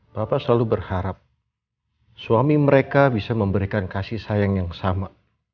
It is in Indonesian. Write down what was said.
bapak selalu berharap suami mereka bisa memberikan kasih sayang yang sama